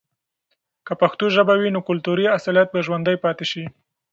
که پښتو ژبه وي، نو کلتوری اصالت به ژوندۍ پاتې سي.